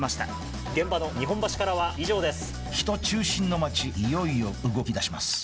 現場の日本橋からは以上です。